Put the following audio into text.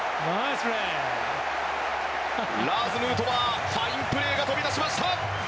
ラーズ・ヌートバーファインプレーが飛び出しました。